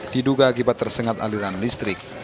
diduga akibat tersengat aliran listrik